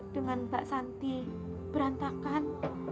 dengan mbak santi berantakan